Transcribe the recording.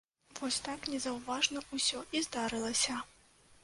Вось так незаўважна усё і здарылася.